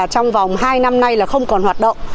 trong vòng hai năm nay không còn hoạt động